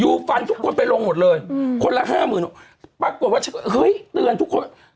ฟันทุกคนไปลงหมดเลยอืมคนละห้าหมื่นปรากฏว่าฉันก็เฮ้ยเตือนทุกคนว่า